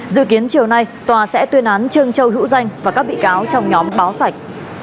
dự kiến chiều nay tòa sẽ tuyên án trương châu hữu danh và các bị cáo trong nhóm báo sạch